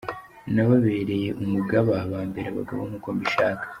"Nababereye umugaba bambera abagabo nk’uko mbishaka,.